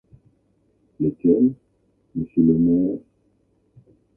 Lesquelles, monsieur le maire ?